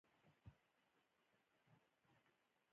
طبیعت له دغو ریګ دښتو جوړ دی.